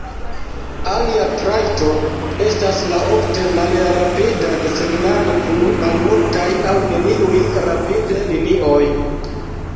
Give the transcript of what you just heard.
Alia trajto estas la ofte "malrapida" desegnado, kun malmultaj aŭ neniuj rapid-linioj.